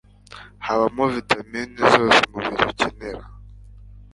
Habamo vitamin zose umubiri ukenera